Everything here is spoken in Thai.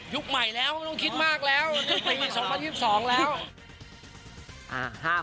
ใหม่แล้วไม่ต้องคิดมากแล้วนี่ปี๒๐๒๒แล้ว